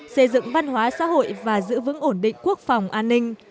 xây dựng văn hóa xã hội và giữ vững ổn định quốc phòng an ninh